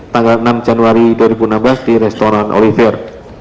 tanggal enam januari dua ribu enam belas di restoran oliver